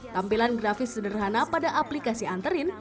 tampilan grafis sederhana pada aplikasi anterin